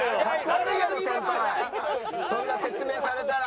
そんな説明されたら。